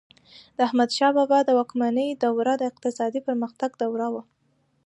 د احمدشاه بابا د واکمنۍ دوره د اقتصادي پرمختګ دوره وه.